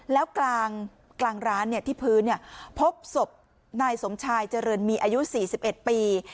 แล้วกลางกลางร้านเนี้ยที่พื้นเนี้ยพบศพนายสมชายเจริญมีอายุสี่สิบเอ็ดปี